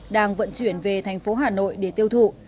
đang vận chuyển về thành phố hà nội để tiêu thụ